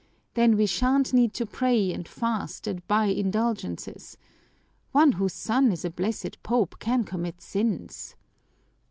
Then we shan't need to pray and fast and buy indulgences. One whose son is a blessed Pope can commit sins!"